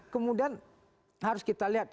kemudian harus kita lihat